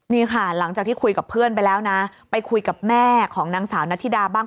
นี่ค่ะหลังจากที่คุยกับเพื่อนไปแล้วนะไปคุยกับแม่ของนางสาวนัทธิดาบ้าง